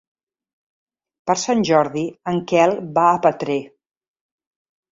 Per Sant Jordi en Quel va a Petrer.